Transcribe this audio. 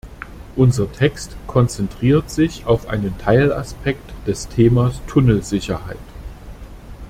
Unser Text konzentriert sich auf einen Teilaspekt des Themas Tunnelsicherheit.